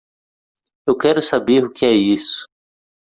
Eu quero saber o que é isso.